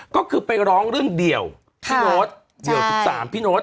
ก็ไปร้องเรื่องเดี่ยวพี่โน๊ต